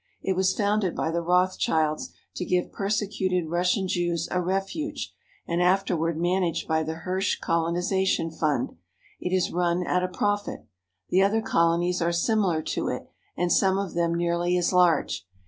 It was founded by the Rothschilds to give persecuted Russian Jews a refuge, and afterward managed by the Hirsch colonization fund. It is run at a profit. The other colonies are similar to it, and some of them nearly as large.